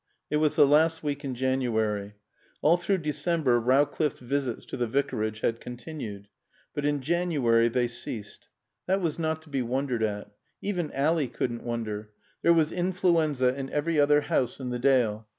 It was the last week in January. All through December Rowcliffe's visits to the Vicarage had continued. But in January they ceased. That was not to be wondered at. Even Ally couldn't wonder. There was influenza in every other house in the Dale.